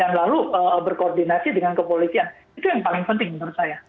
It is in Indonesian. dan lalu berkoordinasi dengan kepolisian itu yang paling penting menurut saya